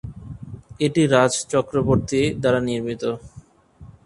এটি রাজ চক্রবর্তী দ্বারা নির্মিত।